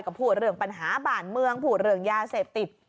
ก็พูดเรื่องปัญหาบ้านเมืองพูดเรื่องยาเสพติด